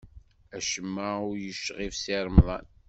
Acemma ur yecɣib Si Remḍan.